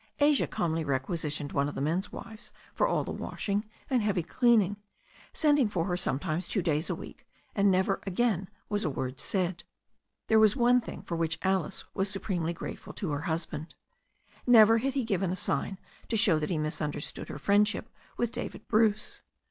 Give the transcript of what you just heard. Asia calmly requisitioned one of the men's wives for all the washing and heavy cleaning, sending for her sometimes two days a week, and never again was a word said. There was one thing for which Alice was supremely grateful to her husband. Never had he given a sign to show that he misunderstood her friendship with David Bruce.